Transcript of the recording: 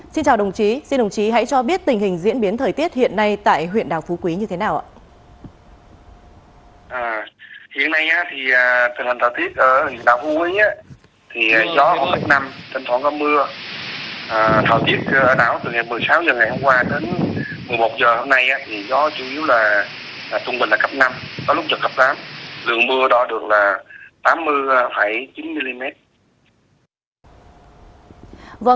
xin chào đồng chí xin đồng chí hãy cho biết tình hình diễn biến thời tiết hiện nay tại huyện đảo phú quý như thế nào